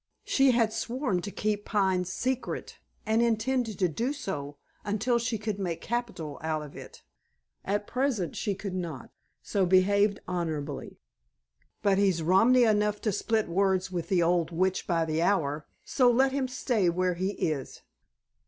She had sworn to keep Pine's secret, and intended to do so, until she could make capital out of it. At present she could not, so behaved honorably. "But he's Romany enough to split words with the old witch by the hour, so let him stay where he is.